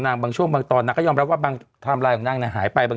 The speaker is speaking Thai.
บางช่วงบางตอนนางก็ยอมรับว่าบางไทม์ไลน์ของนางหายไปบาง